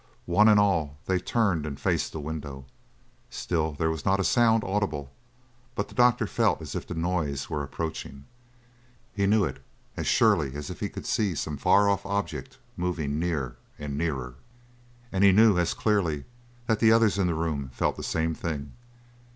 One and all, they turned and faced the window. Still there was not a sound audible, but the doctor felt as if the noise were approaching. He knew it as surely as if he could see some far off object moving near and nearer. And he knew, as clearly, that the others in the room felt the same thing.